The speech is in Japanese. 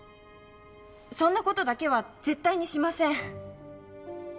そんな事だけは絶対にしません。